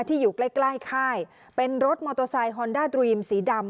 อยู่ใกล้ใกล้ค่ายเป็นรถมอเตอร์ไซค์ฮอนด้าดรีมสีดำ